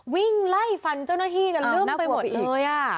วิ่งไล่ฟันเจ้าหน้าที่กันลึ่มไปหมดเลย